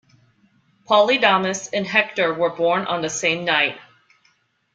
Polydamas and Hector were born on the same night.